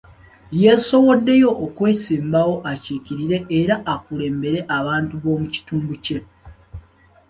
Yeesowoddeyo okwesimbawo akiikirire era akulembere abantu b'omukitundu kye.